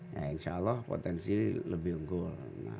ya insya allah potensi lebih unggul